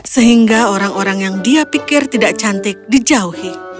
sehingga orang orang yang dia pikir tidak cantik dijauhi